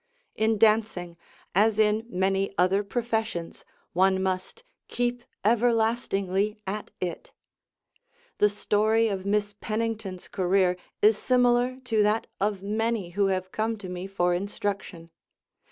In dancing, as in many other professions, one must "keep everlastingly at it." The story of Miss Pennington's career is similar to that of many who have come to me for instruction.